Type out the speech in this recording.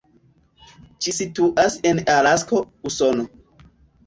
Ĝi situas en Alasko, Usono.